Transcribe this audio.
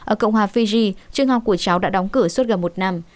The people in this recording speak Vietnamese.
ở cộng hòa fiji trường học của cháu đã đóng cửa suốt gần một năm